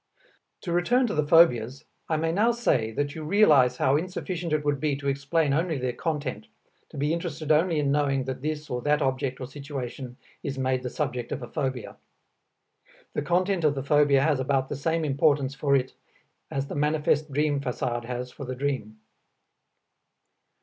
To return to the phobias, I may now say that you realize how insufficient it would be to explain only their content, to be interested only in knowing that this or that object or situation is made the subject of a phobia. The content of the phobia has about the same importance for it as the manifest dream facade has for the dream.